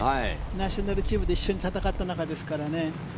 ナショナルチームで一緒に戦った仲ですからね。